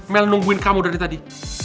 mel nungguin kamu dari tadi